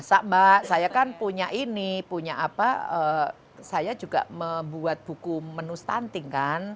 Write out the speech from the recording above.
masa mbak saya kan punya ini punya apa saya juga membuat buku menu stunting kan